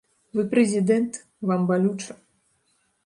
Вы прэзідэнт, вам балюча.